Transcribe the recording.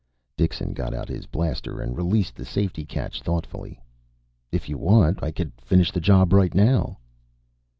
Dixon got out his blaster and released the safety catch thoughtfully. "If you want, I can finish the job right now."